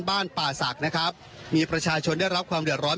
บ้านป่าศักดิ์นะครับมีประชาชนได้รับความเดือดร้อน